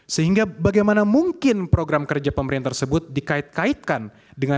sehingga bagaimana mungkin program kerja pemerintah tersebut akan mencapai kepentingan